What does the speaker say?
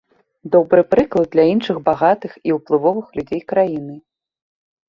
Добры прыклад для іншых багатых і ўплывовых людзей краіны.